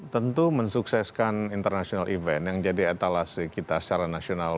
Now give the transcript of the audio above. tentu mensukseskan international event yang jadi etalasi kita secara nasional